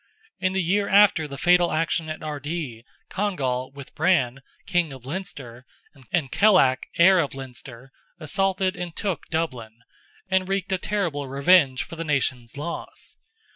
In the year after the fatal action at Ardee, Congal, with Brann, King of Leinster, and Kellach, heir of Leinster, assaulted and took Dublin, and wreaked a terrible revenge for the nation's loss.